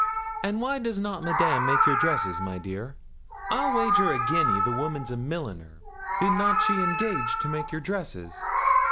'And why does not Madame make your dresses, my dear? I wager a guinea the woman's a milliner. Did not she engage to make your dresses?'